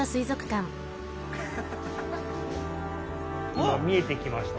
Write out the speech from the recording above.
今見えてきました